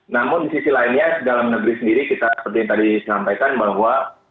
namun di sisi lainnya dalam negeri sendiri kita seperti yang tadi sampaikan bahwa